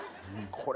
これ。